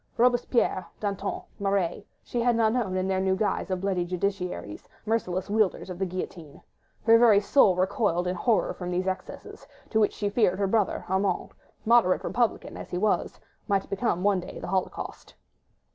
Robespierre, Danton, Marat, she had not known in their new guise of bloody justiciaries, merciless wielders of the guillotine. Her very soul recoiled in horror from these excesses, to which she feared her brother Armand—moderate republican as he was—might become one day the holocaust.